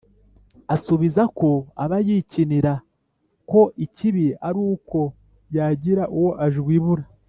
Asubiza ko aba yikinira ko ikibi ari uko yagira uwo ajwibura